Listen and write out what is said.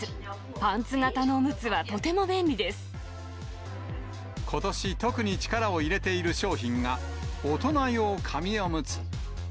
パンツ型のおむつはとても便利でことし、特に力を入れている商品が、大人用紙おむつ。